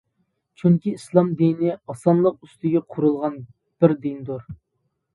چۈنكى ئىسلام دىنى ئاسانلىق ئۈستىگە قۇرۇلغان بىردىندۇر.